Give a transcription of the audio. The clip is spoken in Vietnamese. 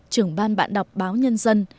trưởng ban bản đọc báo nhân dân